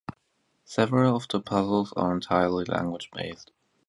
Several of the puzzles are entirely language-based.